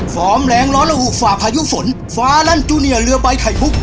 ฟอร์มแรงร้อนและอูกฝ่าพายุฝนฟาลันด์จูเนียเรือใบไทยมุก